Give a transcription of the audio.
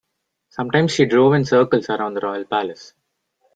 Sometimes she drove in circles around the royal palace.